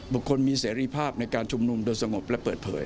คนมีเสรีภาพในการชุมนุมโดยสงบและเปิดเผย